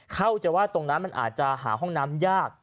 เข้าใจว่าตรงนั้นมันอาจจะหาห้องน้ำยาก